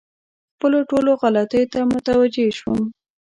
خپلو ټولو غلطیو ته متوجه شوم.